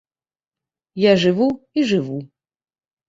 Я жыву, і жыву.